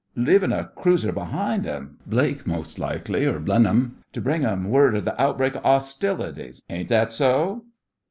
'Leavin' a cruiser be'ind 'im—Blake most likely, or Blenheim—to bring 'im word of the outbreak of 'ostilities. Ain't that so?